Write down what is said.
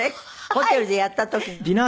ホテルでやった時の？